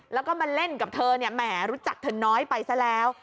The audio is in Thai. แล้วก็มาเล่นกับเธอเนี่ยแหมรู้จักเธอน้อยไปซะแล้ว